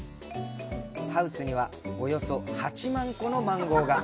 ハウスにはおよそ８万個のマンゴーが！